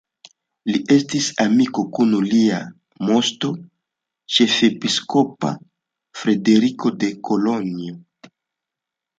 Li estis amiko kun lia moŝto ĉefepiskopa Frederiko de Kolonjo.